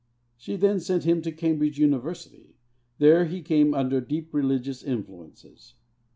She then sent him to Cambridge University. There he came under deep religious influences.